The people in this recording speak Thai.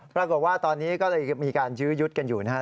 ปรากฏว่าตอนนี้ก็เลยมีการยื้อยุดกันอยู่นะครับ